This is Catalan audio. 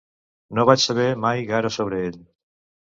No vaig saber mai gaire sobre ell.